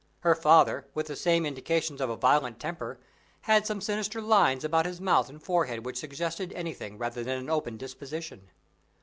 Her father, with the same indications of a violent temper, had some sinister lines about his mouth and forehead which suggested anything rather than an open disposition.